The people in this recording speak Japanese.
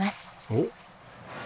おっ？